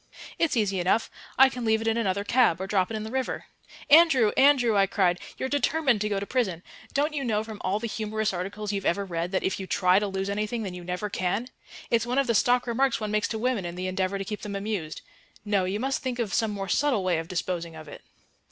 "It's easy enough. I can leave it in another cab, or drop it in the river." "Andrew, Andrew," I cried, "you're determined to go to prison! Don't you know from all the humorous articles you've ever read that, if you try to lose anything, then you never can? It's one of the stock remarks one makes to women in the endeavour to keep them amused. No, you must think of some more subtle way of disposing of it."